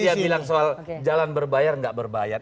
soal tadi dia bilang soal jalan berbayar nggak berbayar